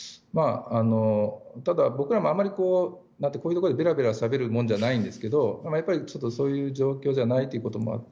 ただ、僕らもあまりこういうところでべらべらしゃべるものじゃないんですけどもやっぱり、そういう状況じゃないということもあって。